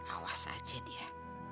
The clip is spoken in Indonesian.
awas aja dia